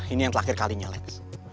ini yang terakhir kalinya lex